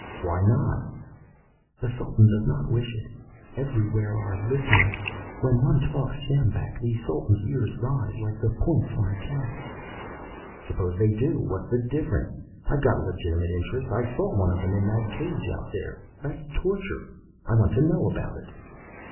"Why not?" "The Sultan does not wish it. Everywhere are listeners. When one talks sjambak, the Sultan's ears rise, like the points on a cat." "Suppose they do what's the difference? I've got a legitimate interest. I saw one of them in that cage out there. That's torture. I want to know about it."